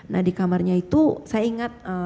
nah di kamarnya itu saya ingat